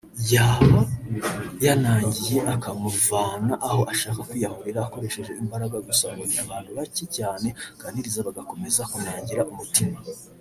yaba yanangiye akamuvana aho ashaka kwiyahurira akoresheje imbaraga gusa ngo ni abantu bacye cyane aganiriza bagakomeza kunangira umutima